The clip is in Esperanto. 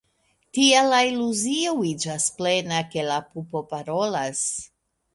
Tiel la iluzio iĝas plena, ke la pupo parolas.